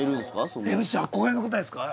そんなＭＣ憧れの方ですか？